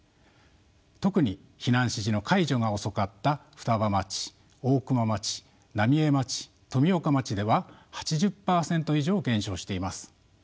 特に避難指示の解除が遅かった双葉町大熊町浪江町富岡町では８０％以上減少しています。